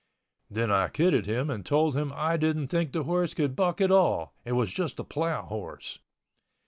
Then I kidded him and told him I didn't think the horse could buck at all, was just a plow horse.